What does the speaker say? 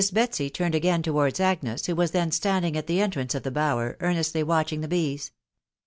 Betsy turned again towards Agnes, who was then standing at the entrance of the bower, earnestly watching the bees.